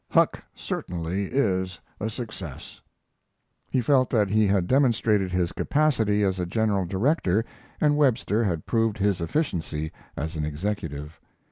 Huck certainly is a success." He felt that he had demonstrated his capacity as a general director and Webster had proved his efficiency as an executive.